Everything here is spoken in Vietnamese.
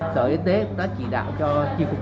sở y tế đã chỉ đạo cho chư phục y tế